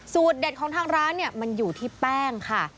เด็ดของทางร้านเนี่ยมันอยู่ที่แป้งค่ะ